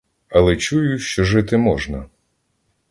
Але чую, що жити можна.